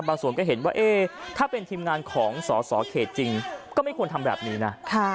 ส่วนก็เห็นว่าถ้าเป็นทีมงานของสอสอเขตจริงก็ไม่ควรทำแบบนี้นะ